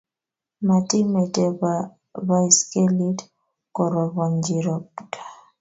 Mati mete baiskelit korobonji robto